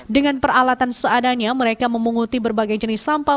dengan peralatan seadanya mereka memunguti berbagai jenis sampah